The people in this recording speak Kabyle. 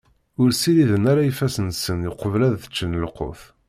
Ur ssiriden ara ifassen-nsen uqbel ad ččen lqut.